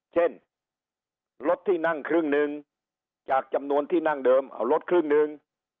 เช่นรถที่นั่งครึ่งหนึ่งจากจำนวนที่นั่งเดิมเอารถครึ่งหนึ่ง